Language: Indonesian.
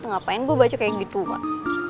ngapain gue baca kayak gitu pak